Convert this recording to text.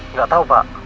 nggak tahu pak